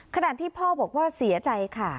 ขณะที่พ่อบอกว่าเสียใจค่ะ